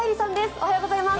おはようございます。